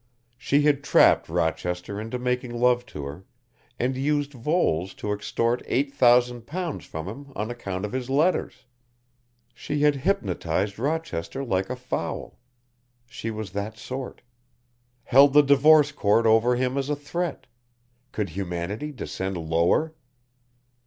She had trapped Rochester into making love to her, and used Voles to extort eight thousand pounds from him on account of his letters. She had hypnotized Rochester like a fowl. She was that sort. Held the divorce court over him as a threat could Humanity descend lower?